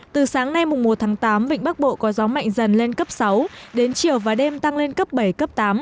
từ sáng nay một tháng tám vịnh bắc bộ có gió mạnh dần lên cấp sáu đến chiều và đêm tăng lên cấp bảy cấp tám